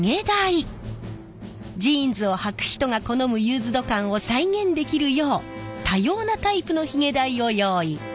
ジーンズをはく人が好むユーズド感を再現できるよう多様なタイプのヒゲ台を用意。